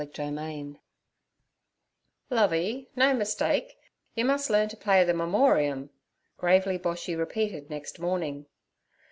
Chapter 8 'LOVEY, no mistake, yer mus' learn t' play ther memorium' gravely Boshy repeated next morning.